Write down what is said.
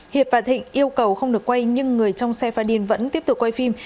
hiệp và thịnh yêu cầu không được quay nhưng người trong xe pha đin vẫn tiếp tục quay phim